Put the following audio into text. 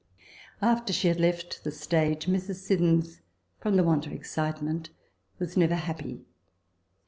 After she had left the stage, Mrs. Siddons, from the want of excitement, was never happy.